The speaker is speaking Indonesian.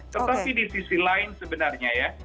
tetapi di sisi lain sebenarnya ya